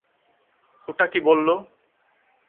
ওটা কী বললো?